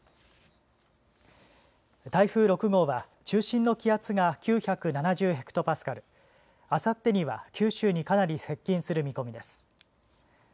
台風６号は中心の気圧が９７０ヘクトパスカル、あさってには九州にかなり接近する見込みです。